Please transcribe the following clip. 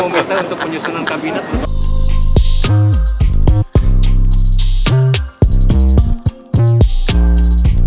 katanya mau minta untuk penyusunan kabinet